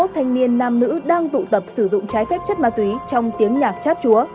hai mươi thanh niên nam nữ đang tụ tập sử dụng trái phép chất ma túy trong tiếng nhạc chát chúa